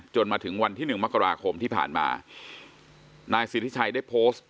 มาถึงวันที่หนึ่งมกราคมที่ผ่านมานายสิทธิชัยได้โพสต์